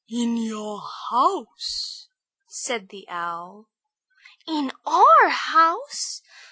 "In your house," said the Owl. "In our house!